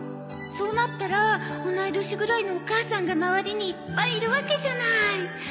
そうなったら同い年ぐらいのお母さんが周りにいっぱいいるわけじゃない。